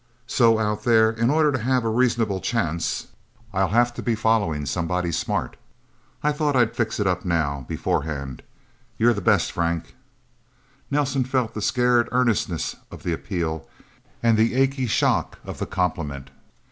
So, Out There, in order to have a reasonable chance, I'll have to be following somebody smart. I thought I'd fix it now beforehand. You're the best, Frank." Nelsen felt the scared earnestness of the appeal, and the achy shock of the compliment.